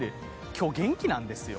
今日、元気なんですよ。